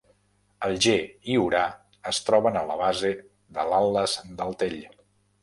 Alger i Orà es troben a la base de l'Atles del Tell.